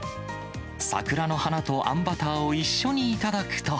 桜の花とあんバターを一緒に頂くと。